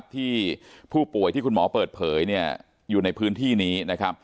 ที่ผู้ป่วยที่คุณหมอเปิดเผยอยู่ในพื้นที่นี้